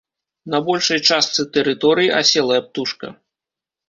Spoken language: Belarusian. На большай частцы тэрыторыі аселая птушка.